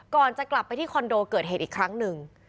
ก่อนจะกลับไปที่คอนโดเกิดเหตุอีกครั้งหนึ่ง